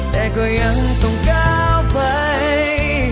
แต่ก็ยังต้องก้าวไป